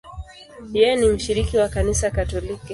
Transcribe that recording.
Yeye ni mshiriki wa Kanisa Katoliki.